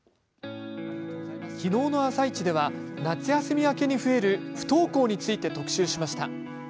昨日の放送では夏休み明けに増える不登校について特集しました。